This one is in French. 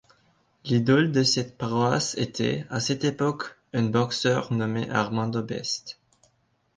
L'idole de cette paroisse était, à cette époque, un boxeur nommé Armando Best.